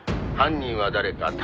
「犯人は誰か？